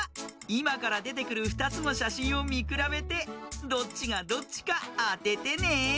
いまからでてくる２つのしゃしんをみくらべてどっちがどっちかあててね。